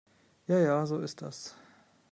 Ja ja, so ist das.